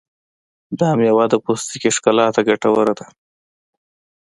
دا مېوه د پوستکي ښکلا ته ګټوره ده.